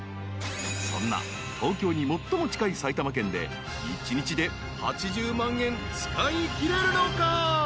［そんな東京に最も近い埼玉県で１日で８０万円使いきれるのか？］